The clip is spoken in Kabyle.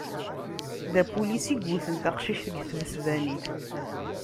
D apulis i yewten taqcict deg temesbanit.